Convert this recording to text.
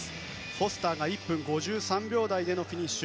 フォスターが１分５３秒台でのフィニッシュ。